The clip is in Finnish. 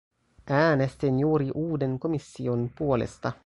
Äänestin juuri uuden komission puolesta.